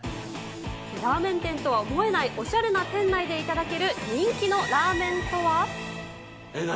ラーメン店とは思えないおしゃれな店内で頂ける人気のラーメ何？